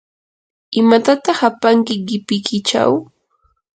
¿imatataq apanki qipikichaw?